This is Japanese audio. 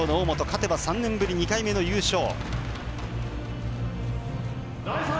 勝てば３年ぶり２回目の優勝。